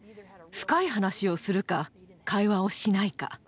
深い話をするか会話をしないか。